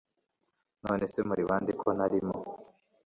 nonese muri bande ko ntarimo